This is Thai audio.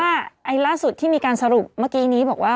แต่ว่าไอ้ล่าสุดที่มีการสรุปเมื่อกี้อันนี้บอกว่า